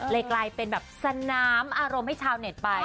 กลายเป็นแบบสนามอารมณ์ให้ชาวเน็ตไป